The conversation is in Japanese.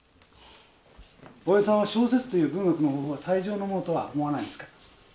大江さんは小説という文学の方法は最上のものとは思わないんですか？